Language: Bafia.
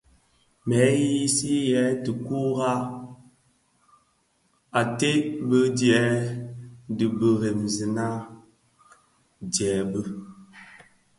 Mè yiyisi yèè ti kurag ated bi dièè dhi biremzèna dièè bi.